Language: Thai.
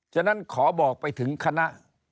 ฉะนั้นขอบอกไปถึงคณะ